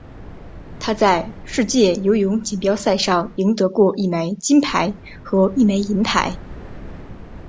他在世界游泳锦标赛上赢得过一枚金牌和一枚银牌。